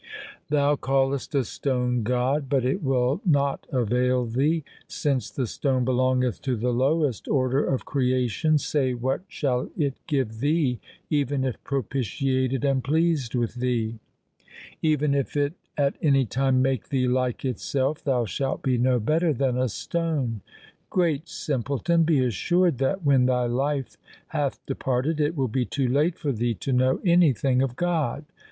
Thou callest a stone God, but it will not avail thee. Since the stone belongeth to the lowest order of creation, say what shall it give thee even if propitiated and pleased with thee ? Even if it at any time make thee like itself, thou shalt be no better than a stone. Great simpleton, be assured that, when thy life hath departed, it will be too late for thee to know anything of God.